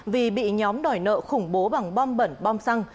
vì bị nhóm đòi nợ khủng bố bằng bom bẩn bom xăng